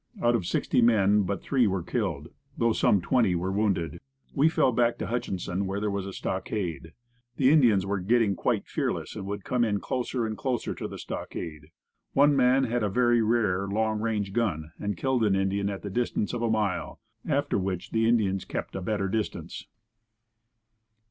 Out of sixty men but three were killed, though some twenty were wounded. We fell back to Hutchinson where there was a stockade. The Indians were getting quite fearless and would come in closer and closer to the stockade. One man had a very rare, long range gun and killed an Indian at the distance of a mile, after which the Indians kept a better distance.